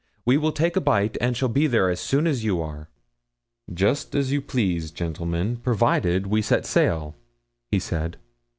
We will take a bite and shall be there as soon as you are." "Just as you please, gentlemen, provided we set sail," he said.